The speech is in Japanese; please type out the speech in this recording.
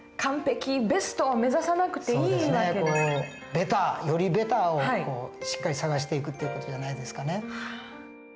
ベターよりベターをしっかり探していくっていう事じゃないですかね？